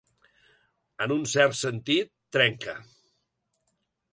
En un cert sentit, trenca.